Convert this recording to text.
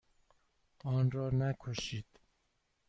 آن را نکشید.